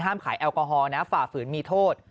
ขายแอลกอฮอลนะฝ่าฝืนมีโทษ